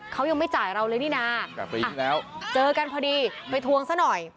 เขายังไม่จ่ายเราเลยนี่นาเจอกันพอดีไปทวงซะหน่อย